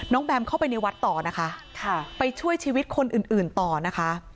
แบมเข้าไปในวัดต่อนะคะไปช่วยชีวิตคนอื่นอื่นต่อนะคะ